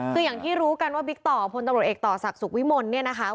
คืออย่างที่รู้กันว่าบิ๊กต่อพลตำรวจเอกต่อศักดิ์สุขวิมลเนี่ยนะคะ